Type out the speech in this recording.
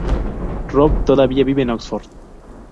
Rob todavía vive en Oxford.